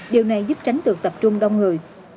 điều này giúp tránh được tập trung đông người